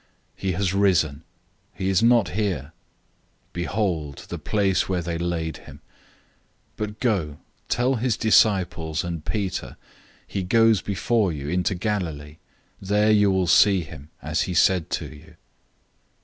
He has risen. He is not here. Behold, the place where they laid him! 016:007 But go, tell his disciples and Peter, 'He goes before you into Galilee. There you will see him, as he said to you.'"